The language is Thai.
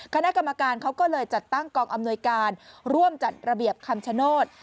คณะกรรมการเขาก็เลยจัดตั้งกองอำนวยการร่วมจัดระเบียบคำชโนธ